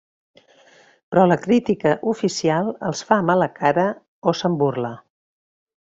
Però la crítica oficial els fa mala cara o se'n burla.